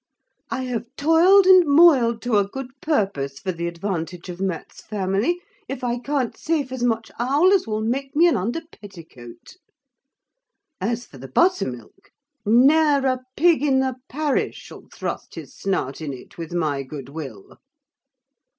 I have toiled and moyled to a good purpuss, for the advantage of Matt's family, if I can't safe as much owl as will make me an under petticoat. As for the butter milk, ne'er a pig in the parish shall thrust his snout in it, with my good will.